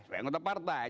sebagai anggota partai